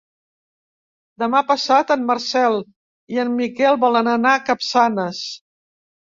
Demà passat en Marcel i en Miquel volen anar a Capçanes.